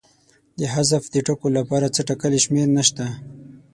د حذف د ټکو لپاره څه ټاکلې شمېر نشته.